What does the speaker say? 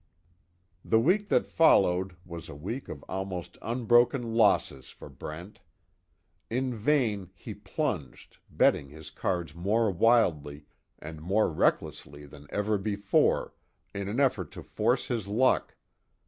The week that followed was a week of almost unbroken losses for Brent. In vain, he plunged, betting his cards more wildly, and more recklessly than ever before, in an effort to force his luck.